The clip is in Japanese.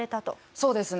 そうですね。